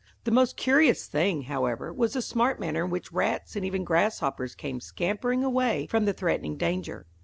The most curious thing, however, was the smart manner in which rats and even grasshoppers came scampering away from the threatening danger.